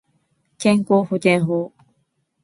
健康保険法